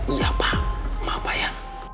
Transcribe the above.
iya pak maaf pak ya